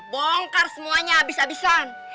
bongkar semuanya abis abisan